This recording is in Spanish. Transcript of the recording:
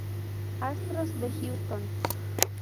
Astros de Houston.